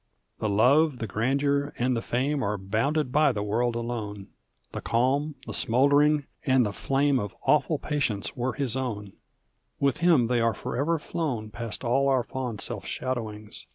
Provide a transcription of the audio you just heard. The love, the grandeur, and the fame Are bounded by the world alone; The calm, the smouldering, and the iSame Of awful patience were his own: With him they are forever iBown Past all our fond self shadowings.